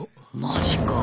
マジか。